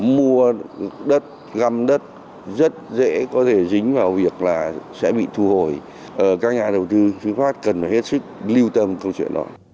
mua đất găm đất rất dễ có thể dính vào việc là sẽ bị thu hồi các nhà đầu tư phi pháp cần phải hết sức lưu tâm câu chuyện đó